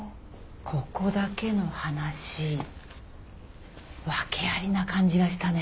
ここだけの話訳ありな感じがしたね。